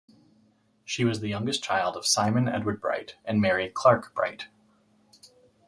She was the youngest child of Simon Edward Bright and Mary (Clark) Bright.